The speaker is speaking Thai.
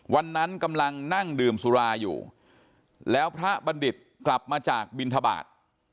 วันนั้นกำลังนั่งดื่มสุราอยู่แล้วพระบัณฑิตกลับมาจากบิณฑบาต